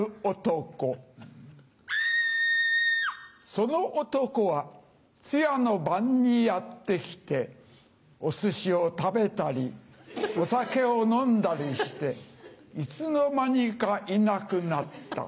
・その男は通夜の晩にやって来ておすしを食べたりお酒を飲んだりしていつの間にかいなくなった。